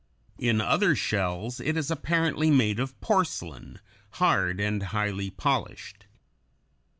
In other shells it is apparently made of porcelain, hard and highly polished.